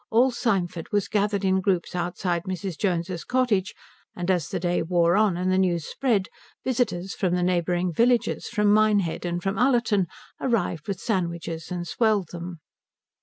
All Symford was gathered in groups outside Mrs. Jones's cottage, and as the day wore on and the news spread, visitors from the neighbouring villages, from Minehead and from Ullerton, arrived with sandwiches and swelled them.